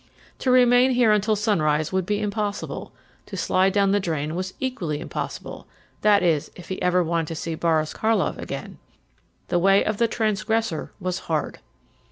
To remain here until sunrise would be impossible; to slide down the drain was equally impossible that is, if he ever wanted to see Boris Karlov again. The way of the transgressor was hard.